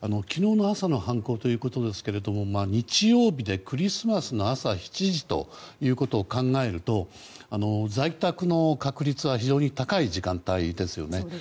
昨日の朝の犯行ということですけれども日曜日でクリスマスの朝７時ということを考えると在宅の可能性が非常に高い時間帯ですよね。